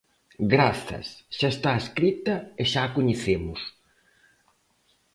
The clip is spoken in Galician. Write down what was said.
Grazas, xa está escrita e xa a coñecemos.